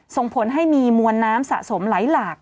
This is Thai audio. ส่งผลให้มีมวลน้ำสะสมไหลหลาก